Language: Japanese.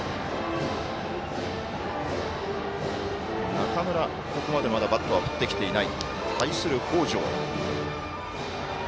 中村、ここまでまだバットは振ってきていない。